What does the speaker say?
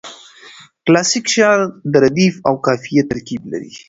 کلاسیک شعر د ردیف او قافیه ترکیب لري.